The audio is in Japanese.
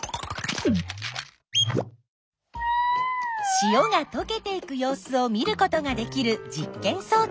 塩がとけていく様子を見ることができる実験そう置。